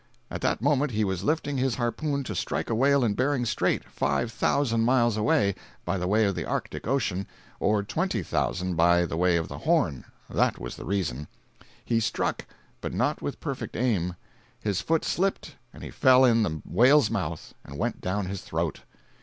At that moment he was lifting his harpoon to strike a whale in Behring's Strait, five thousand miles away, by the way of the Arctic Ocean, or twenty thousand by the way of the Horn—that was the reason. He struck, but not with perfect aim—his foot slipped and he fell in the whale's mouth and went down his throat.